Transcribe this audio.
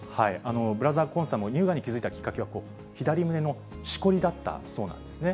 Ｂｒｏ．ＫＯＲＮさんも乳がんに気付いたきっかけは、左胸のしこりだったそうなんですね。